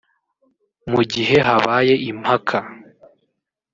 Mu gihe habaye impaka